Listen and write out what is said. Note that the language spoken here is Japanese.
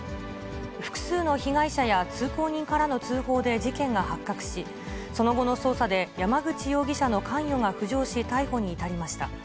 複数の被害者や通行人からの通報で事件が発覚し、その後の捜査で、山口容疑者の関与が浮上し、逮捕に至りました。